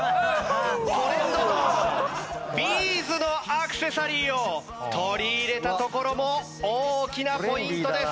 トレンドのビーズのアクセサリーを取り入れたところも大きなポイントです。